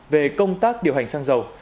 về công tác điều hành xăng dầu